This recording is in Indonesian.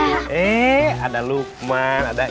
roti itu cuma beli makanan